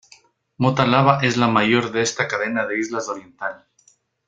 Mota Lava es la mayor de esta cadena de islas oriental.